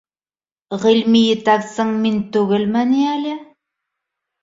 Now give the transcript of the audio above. Ғилми етәксең мин түгелме ни әле?